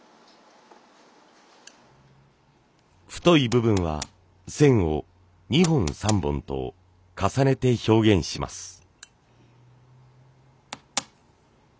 太い部分は線を２本３本と重ねて表現します。